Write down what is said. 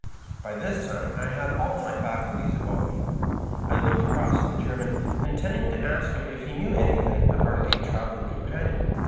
By this time I had all my faculties about me. I looked across at the German, intending to ask him if he knew anything of our late traveling companion.